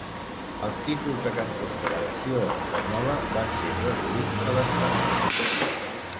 Els títols de cançons de la versió espanyola van ser traduïts a l'espanyol.